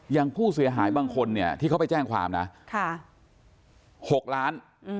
อย่างผู้เสียหายบางคนเนี่ยที่เขาไปแจ้งความนะ๖ล้าน